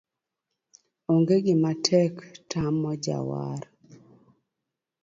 Onge gimatek tamo jawar.